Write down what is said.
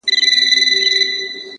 اراده د ستونزې قد کموي!